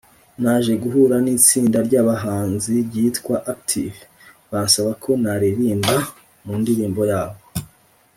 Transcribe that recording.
Naje guhura n’itsinda ry’abahanzi ryitwa Active, bansaba ko naririmba mu ndirimbo yabo.